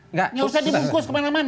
nggak usah dibungkus kemana mana